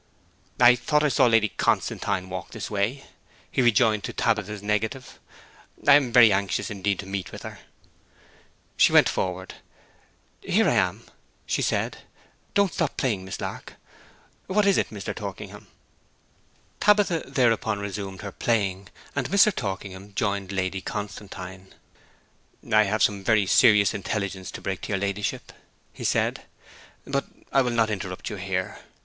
'I thought I saw Lady Constantine walk this way,' he rejoined to Tabitha's negative. 'I am very anxious indeed to meet with her.' She went forward. 'I am here,' she said. 'Don't stop playing, Miss Lark. What is it, Mr. Torkingham?' Tabitha thereupon resumed her playing, and Mr. Torkingham joined Lady Constantine. 'I have some very serious intelligence to break to your ladyship,' he said. 'But I will not interrupt you here.'